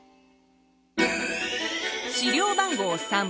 資料番号３。